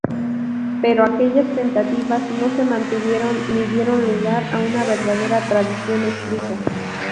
Pero aquellas tentativas no se mantuvieron ni dieron lugar a una verdadera tradición escrita.